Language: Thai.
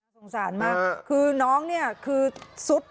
สงสารมากคือน้องเนี่ยคือสุด